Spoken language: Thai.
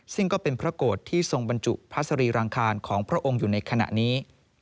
ซึ่งก็เป็นพระโกรธที่ทรงบรรจุพระสรีรังคารของพระองค์อยู่ในขณะนี้